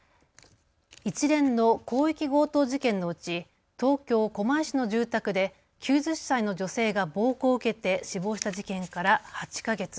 一連の広域強盗事件のうち東京狛江市の住宅で９０歳の女性が暴行を受けて死亡した事件から８か月。